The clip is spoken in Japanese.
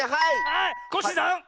はいコッシーさん！